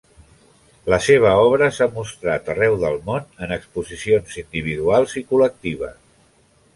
La seva obra s'ha mostrat arreu del món, en exposicions individuals i col·lectives.